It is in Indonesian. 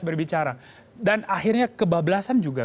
berbicara dan akhirnya kebablasan juga